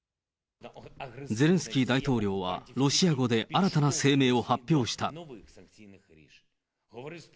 ゼレンスキー大統領はロシア語で新たな声明を発表した。